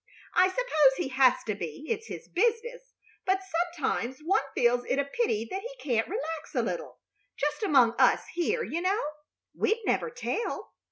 I suppose he has to be. It's his business. But sometimes one feels it a pity that he can't relax a little, just among us here, you know. We'd never tell.